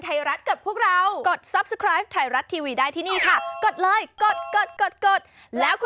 จะได้เข้าไปอยู่ในอันดา